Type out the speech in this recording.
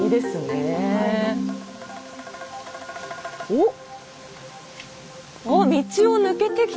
おっ！